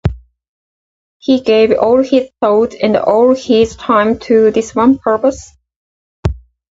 He gave all his thoughts and all his time to this one purpose.